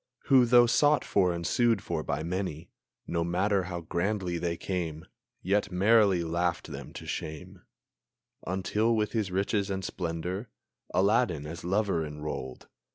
Who, though sought for and sued for by many, No matter how grandly they came, Yet merrily laughed them to shame, Until with his riches and splendor, Aladdin as lover enrolled!